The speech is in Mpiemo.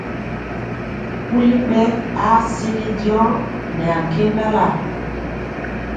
Kuli ɓɛ aa sili jɔɔ nɛ ankendala.